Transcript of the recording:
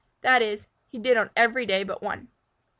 That is, he did on every day but one.